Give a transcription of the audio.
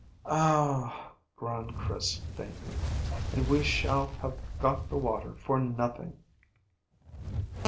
"Oh!" groaned Chris faintly. "And we shall have got the water for nothing."